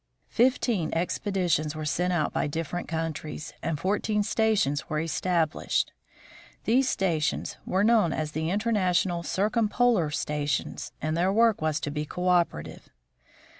Fifteen expeditions were sent out by different countries, and fourteen stations were established. These stations were known as the Inter national Circumpolar stations, and their work was to be cooperative.